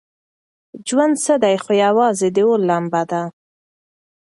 ژوند څه دی خو یوازې د اور لمبه ده.